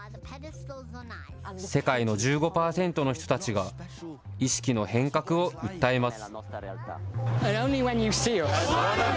世界の１５％の人たちが意識の変革を訴えます。